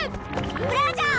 ブ・ラジャー！